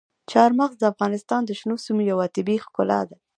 چار مغز د افغانستان د شنو سیمو یوه طبیعي ښکلا ده.